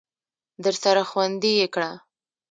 درسره خوندي یې کړه !